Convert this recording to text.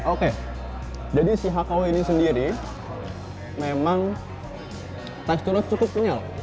oke jadi si hakau ini sendiri memang teksturnya cukup kenyal